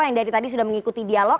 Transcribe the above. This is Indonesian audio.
yang dari tadi sudah mengikuti dialog